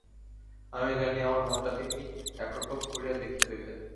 আমি জানি, আমার মনটা তিনি একরকম করিয়া দেখিয়া লইলেন।